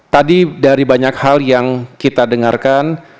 tadi dari banyak hal yang kita dengarkan